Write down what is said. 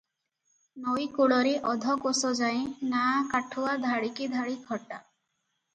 ନଈ କୂଳରେ ଅଧକୋଶଯାଏଁ ନାଆ କାଠୁଆ ଧାଡ଼ିକି ଧାଡ଼ି ଖଟା ।